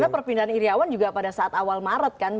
karena perpindahan iryawan juga pada saat awal maret kan